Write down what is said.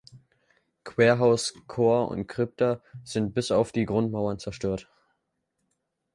Querhaus, Chor und Krypta sind bis auf die Grundmauern zerstört.